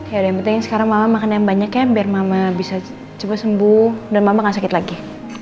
ya ada yang penting sekarang mama makan yang banyak ya biar mama bisa cepat sembuh dan mama gak sakit lagi